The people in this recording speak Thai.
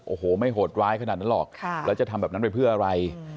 โอ้โหไม่โหดร้ายขนาดนั้นหรอกแล้วจะทำแบบนั้นไปเพื่ออะไร